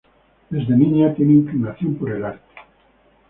Desde niña tiene inclinación por el arte.